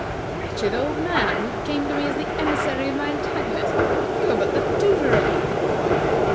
"Wretched old man, who came to me as the emissary of my antagonist, you are but the tutor of that boy!